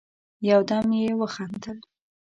يودم يې وخندل: